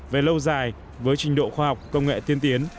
về lâu dài với trình độ khoa học công nghệ tiên tiến